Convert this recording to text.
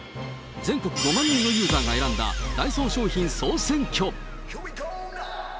全国５万人のユーザーが選んだダイソー商品総選挙。